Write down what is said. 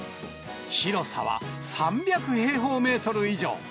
広さは３００平方メートル以上。